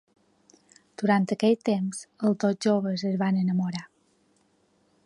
Durant aquell temps els dos joves es van enamorar.